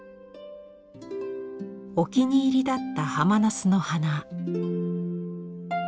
お気に入りだったハマナスの花。